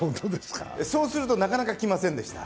そうすると、なかなか来ませんでした。